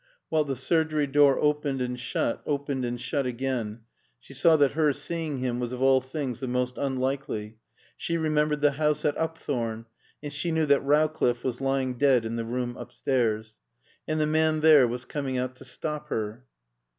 While the surgery door opened and shut, opened and shut again, she saw that her seems him was of all things the most unlikely. She remembered the house at Upthorne, and she knew that Rowcliffe was lying dead in the room upstairs. And the man there was coming out to stop her.